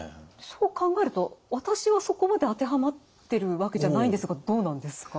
そう考えると私はそこまで当てはまってるわけじゃないんですがどうなんですか？